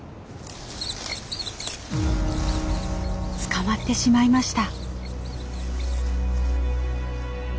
捕まってしまいました。